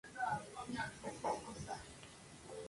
Todas estas versiones son de PlayStation.